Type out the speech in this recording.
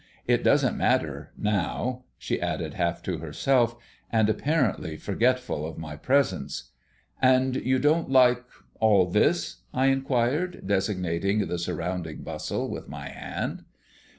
It doesn't matter now," she added, half to herself, and apparently forgetful of my presence. "And you don't like all this?" I inquired, designating the surrounding bustle with my hand.